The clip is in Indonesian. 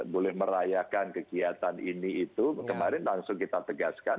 boleh merayakan kegiatan ini itu kemarin langsung kita tegaskan